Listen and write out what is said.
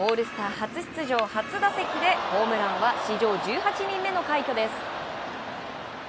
初出場初打席でホームランは史上１８人目の快挙です。